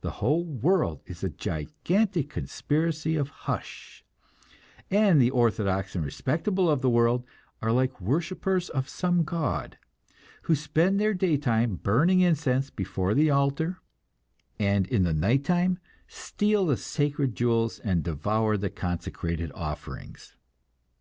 The whole world is a gigantic conspiracy of "hush," and the orthodox and respectable of the world are like worshippers of some god, who spend their day time burning incense before the altar, and in the night time steal the sacred jewels and devour the consecrated offerings.